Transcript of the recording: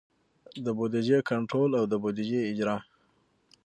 د بودیجې کنټرول او د بودیجې اجرا.